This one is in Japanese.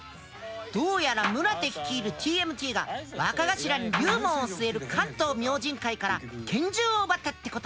どうやら宗手率いるＴＭＴが若頭に龍門を据える関東明神会から拳銃を奪ったってことだ。